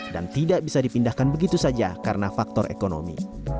dan tidak bisa dipindahkan begitu saja karena faktor ekonomi